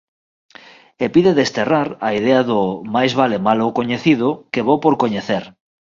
E pide desterrar a idea do "máis vale malo coñecido que bo por coñecer".